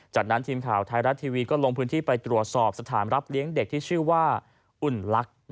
จากนั้นทีมข่าวไทยรัฐทีวีก็ลงพื้นที่ไปตรวจสอบสถานรับเลี้ยงเด็กที่ชื่อว่าอุ่นลักษณ์